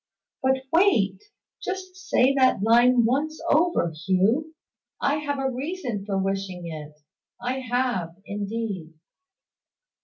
"But wait just say that line once over, Hugh. I have a reason for wishing it. I have, indeed."